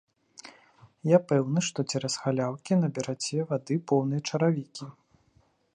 Я пэўны, што цераз халяўкі набераце вады поўныя чаравікі.